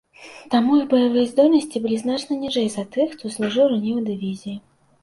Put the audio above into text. Таму іх баявыя здольнасці былі значна ніжэй за тых, хто служыў раней у дывізіі.